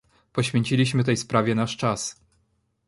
Poświęciliśmy tej sprawie nasz czas